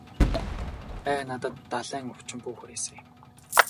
Ай надад далайн өвчин бүү хүрээсэй.